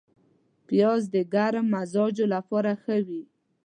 پیاز د ګرم مزاجو لپاره ښه وي